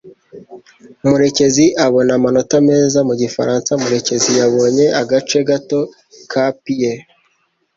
murekezi abona amanota meza mu gifaransa murekezi yabonye agace gato ka pie.